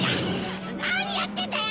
なにやってんだよ！